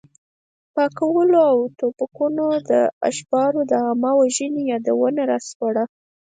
پکولونه او توپکونو د ابشارو د عامه وژنې یادونه راسپړله.